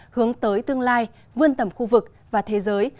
hướng tới tương lai vươn tầm khu vực và thế giới